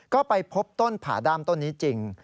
ก็ไปพบต้นผ่าด้ามต้นนี้จริง